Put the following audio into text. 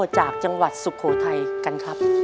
จากจังหวัดสุโขทัยกันครับ